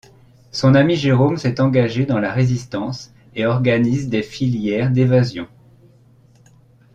Son ami Jérôme s'est engagé dans la Résistance et organise des filières d'évasion.